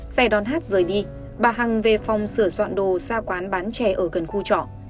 xe đón hát rời đi bà hằng về phòng sửa soạn đồ xa quán bán trẻ ở gần khu trọ